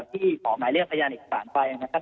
ที่ขอหมายเรียกพยานเอกสารไปนะครับ